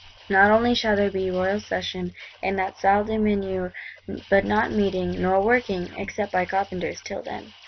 Not only shall there be Royal Session, in that Salle des Menus; but no meeting, nor working (except by carpenters), till then.